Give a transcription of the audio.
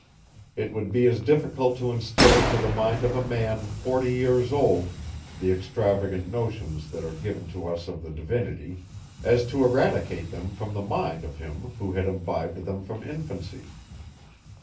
It would be as difficult to instill into the mind of a man, forty years old, the extravagant notions that are given us of the divinity, as to eradicate them from the mind of him who had imbibed them from infancy.